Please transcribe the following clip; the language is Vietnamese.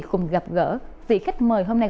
cùng gặp gỡ vị khách mời hôm nay